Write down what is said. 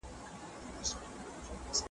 لکه چي بیا یې تیاره په خوا ده .